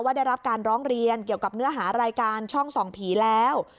ได้รับการร้องเรียนเกี่ยวกับเนื้อหารายการช่องส่องผีแล้ว